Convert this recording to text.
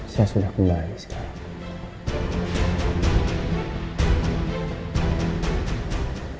saya sudah kembali sekarang